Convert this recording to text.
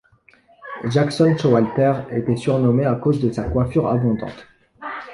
Jackson Showalter était surnommé à cause de sa coiffure abondante.